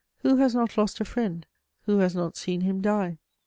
Who has not lost a friend? Who has not seen him die?